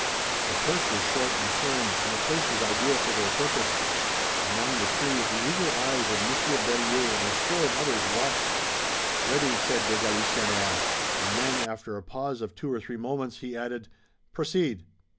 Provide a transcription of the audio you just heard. The turf was short and firm, and the place was ideal for their purpose. Among the trees the eager eyes of Monsieur Berryer and a score of others watched. "Ready!" said de Galisonnière, and then, after a pause of two or three moments, he added: "Proceed!"